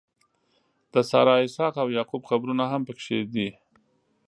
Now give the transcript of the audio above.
د سارا، اسحاق او یعقوب قبرونه هم په کې دي.